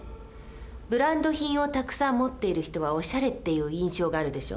ブランド品をたくさん持っている人はオシャレっていう印象があるでしょ？